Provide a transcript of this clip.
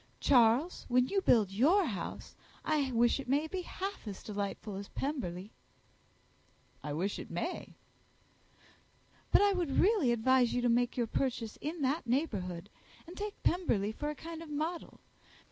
Charles, when you build your house, I wish it may be half as delightful as Pemberley." "I wish it may." "But I would really advise you to make your purchase in that neighbourhood, and take Pemberley for a kind of model.